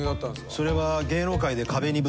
それは。